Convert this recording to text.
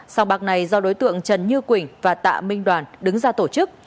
sòng bạc này do đối tượng trần như quỳnh và tạ minh đoàn đứng ra tổ chức